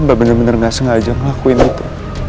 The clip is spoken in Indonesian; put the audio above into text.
mbak bener bener nggak sengaja ngelakuin itu